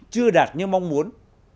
chưa đạt như mong muốn